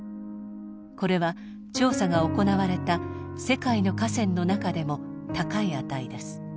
これは調査が行われた世界の河川の中でも高い値です。